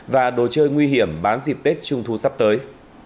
và đồ chơi nguy hiểm bán dịp tết trung thu sắp tới